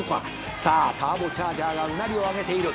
「さあターボチャージャーがうなりを上げている」